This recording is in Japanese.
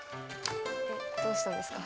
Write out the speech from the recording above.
どうしたんですか？